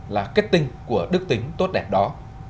là kết tinh của đức tính tốt đẹp đó